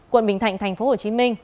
quận bình thạnh tp hcm